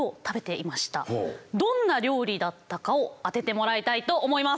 どんな料理だったかを当ててもらいたいと思います。